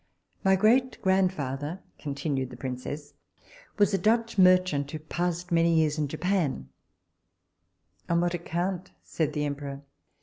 My great grandfather, continued the princess, was a Dutch merchant, who passed many years in Japan On what account? said the emperor.